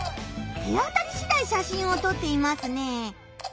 手当たりしだい写真を撮っていますね。